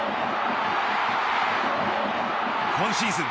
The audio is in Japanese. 今シーズン